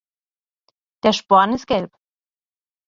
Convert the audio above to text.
Der Sporn ist gelb.